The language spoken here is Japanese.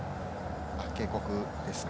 警告ですね。